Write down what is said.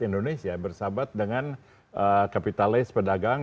indonesia bersahabat dengan kapitalis pedagang